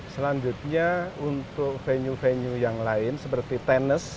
selanjutnya untuk venue venue yang lain seperti tenis